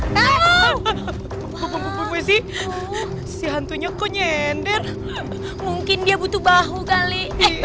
kamu siantunya konyender mungkin dia butuh bahu kali